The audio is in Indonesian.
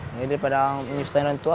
jadi daripada menyusahkan orang tua